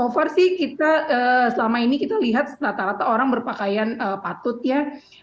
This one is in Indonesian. so far sih kita selama ini kita lihat rata rata orang berpakaian patut ya